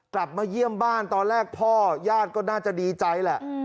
กลับมาเยี่ยมบ้านตอนแรกพ่อญาติก็น่าจะดีใจแหละ